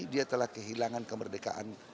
dia telah kehilangan kemerdekaan